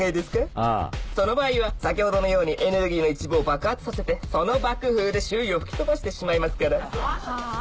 ああその場合は先ほどのようにエネルギーの一部を爆発させてその爆風で周囲を吹き飛ばしてしまいますからはあ？